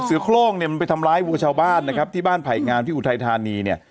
โคร่งเนี่ยมันไปทำร้ายวัวชาวบ้านนะครับที่บ้านไผ่งามที่อุทัยธานีเนี่ย